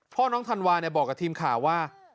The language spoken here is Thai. น้องธันวาบอกกับทีมข่าวว่า